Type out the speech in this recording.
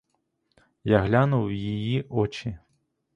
Я глянув в її очі.